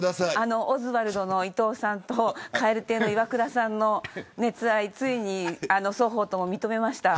オズワルドの伊藤さんと蛙亭のイワクラさんの熱愛ついに双方とも認めました。